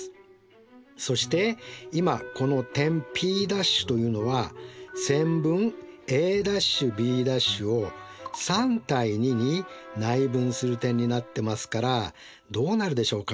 そして今この点Ｐ’というのは線分Ａ’Ｂ’を３：２に内分する点になってますからどうなるでしょうか？